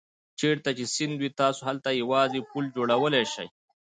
چېرته چې سیند وي تاسو هلته یوازې پل جوړولای شئ.